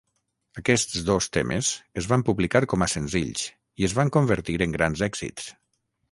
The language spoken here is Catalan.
Aquests dos temes es van publicar com a senzills i es van convertir en grans èxits.